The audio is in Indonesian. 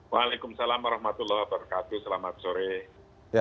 waalaikumsalam warahmatullahi wabarakatuh selamat sore